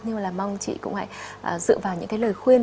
nhưng mà là mong chị cũng hãy dựa vào những lời khuyên